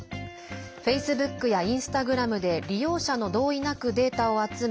フェイスブックやインスタグラムで利用者の同意なくデータを集め